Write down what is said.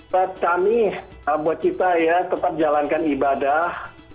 buat kami buat kita ya tetap jalankan ibadah